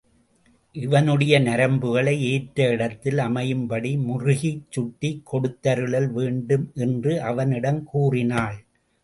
இதனுடைய நரம்புகளை ஏற்ற இடத்தில் அமையும்படி முறுக்கிக் சுட்டிக் கொடுத்தருளல் வேண்டும் என்று அவனிடம் கூறினாள்.